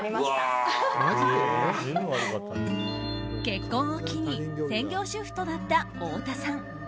結婚を機に専業主婦となった太田さん。